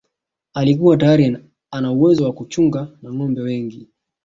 Alikuwa tayari ana uwezo wa kuchunga nâgombe wengi